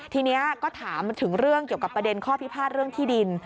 ทีนี้ก็ถามถึงเรื่องเกี่ยวกับประเด็นข้อพิพาทเรื่องที่ดิน